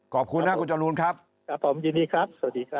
ขอบคุณนะครับคุณจรูนครับครับผมยินดีครับสวัสดีครับ